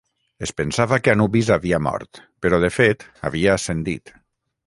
Es pensava que Anubis havia mort, però, de fet, havia ascendit.